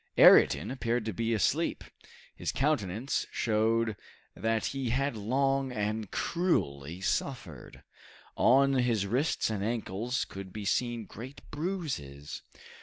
Ayrton appeared to be asleep. His countenance showed that he had long and cruelly suffered. On his wrists and ankles could be seen great bruises.